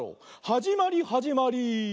はじまりはじまり。